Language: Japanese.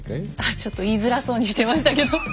ちょっと言いづらそうにしてましたけど。